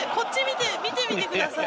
見てみてください！